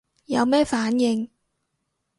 有咩反應